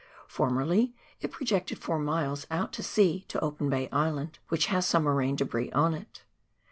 Formerly it projected four miles out to sea to Open Bay Island, which has some moraine debris on it.